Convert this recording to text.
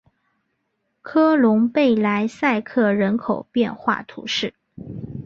科隆贝莱塞克人口变化图示